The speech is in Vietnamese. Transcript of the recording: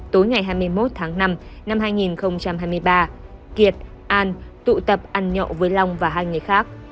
tối ngày hai mươi một tháng năm năm hai nghìn hai mươi ba kiệt an tụ tập ăn nhậu với long và hai người khác